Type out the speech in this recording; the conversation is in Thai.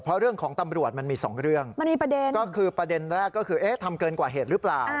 เพราะเรื่องของตำรวจมันมีสองเรื่องมันมีประเด็นก็คือประเด็นแรกก็คือเอ๊ะทำเกินกว่าเหตุหรือเปล่า